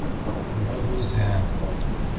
— Бәғүзә...